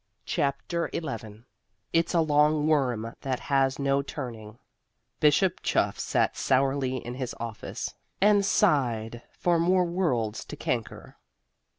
CHAPTER XI IT'S A LONG WORM THAT HAS NO TURNING Bishop Chuff sat sourly in his office and sighed for more worlds to canker.